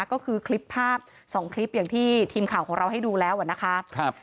ก็คือคลิปภาพสองคลิปอย่างที่ทีมข่าวของเราให้ดูแล้วนะคะ